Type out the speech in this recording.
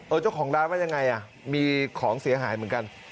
เจ้าของร้านว่ายังไงอ่ะมีของเสียหายเหมือนกัน